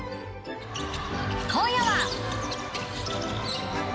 今夜は。